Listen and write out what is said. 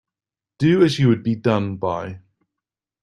Do as you would be done by.